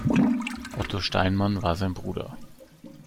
Otto Steinmann war sein Bruder.